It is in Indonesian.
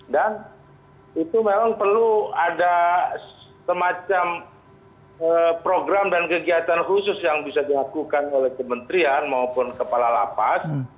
dan itu memang perlu ada semacam program dan kegiatan khusus yang bisa diakukan oleh kementerian maupun kepala la paz